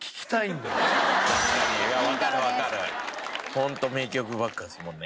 ホント名曲ばっかですもんね。